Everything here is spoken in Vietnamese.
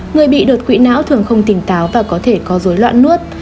người bị đột quỵ não thường không tỉnh táo và có thể có dối loạn nuốt